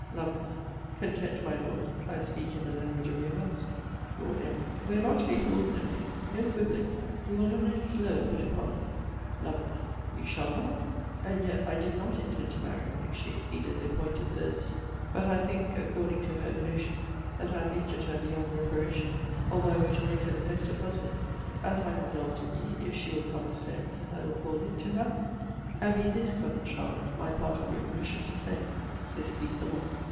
Lovel. CONTENT, my Lord, I speak in the language of your house. Lord M. We are not to be fooled, Nephew. No quibbling. We will have no slur put upon us. Lovel. You shall not. And yet, I did not intend to marry, if she exceeded the appointed Thursday. But, I think (according to her own notions) that I have injured her beyond reparation, although I were to make her the best of husbands; as I am resolved to be, if she will condescend, as I will call it, to have me. And be this, Cousin Charlotte, my part of your commission to say. This pleased them all.